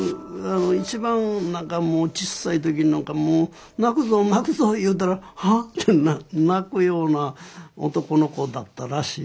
一番ちっさい時なんか泣くぞ泣くぞ言うたらハッて泣くような男の子だったらしい。